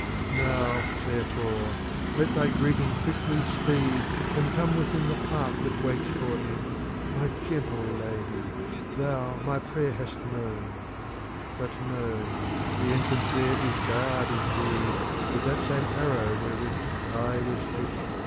Now, therefore, let thy greeting quickly speed, And come within the heart that waits for it. My gentle Lady; — thou my prayer hast known. *'^ But know, the entrance there is barred indeed With that same arrow wherewith I was hit.